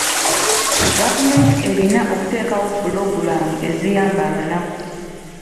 Gavumenti erina okuteekawo pulogulaamu eziyamba abannaku.